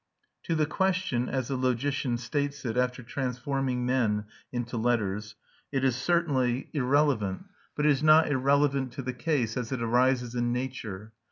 To the question, as the logician states it after transforming men into letters, it is certainly irrelevant; but it is not irrelevant to the case as it arises in nature.